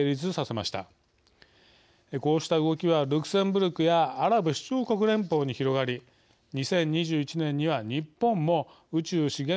こうした動きはルクセンブルクやアラブ首長国連邦に広がり２０２１年には日本も宇宙資源法を制定。